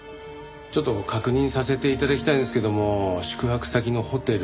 ちょっと確認させて頂きたいんですけども宿泊先のホテル